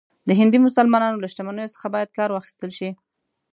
د هندي مسلمانانو له شتمنیو څخه باید کار واخیستل شي.